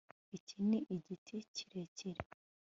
iki ni igiti kirekire